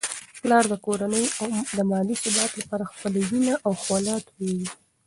پلار د کورنی د مالي ثبات لپاره خپله وینه او خوله تویوي.